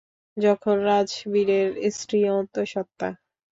যখন রাজবীরের স্ত্রী অন্তঃসত্ত্বা।